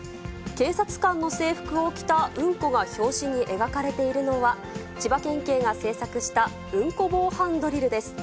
警察官の制服を着たうんこが表紙に描かれているのは、千葉県警が製作したうんこ防犯ドリルです。